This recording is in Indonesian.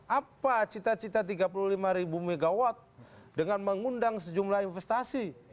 apa cita cita tiga puluh lima ribu megawatt dengan mengundang sejumlah investasi